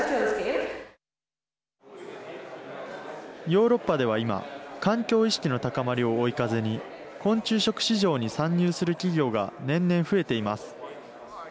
ヨーロッパでは今環境意識の高まりを追い風に昆虫食市場に参入する企業が年々、増えています。